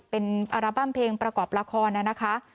เป็นอัลบั้มเพลงประกอบละครนะคะ